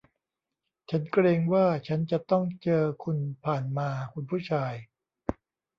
ฉันเกรงว่าฉันจะต้องเจอคุณผ่านมา คุณผู้ชาย